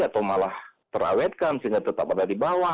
atau malah terawetkan sehingga tetap ada di bawah